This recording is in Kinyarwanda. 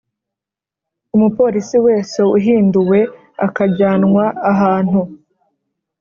Umupolisi wese uhinduwe akajyanwa ahantu